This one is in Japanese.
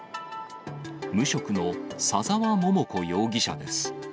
無職の左沢桃子容疑者です。